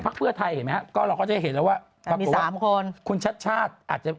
คุณชัด